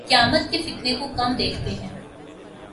قیامت کے فتنے کو، کم دیکھتے ہیں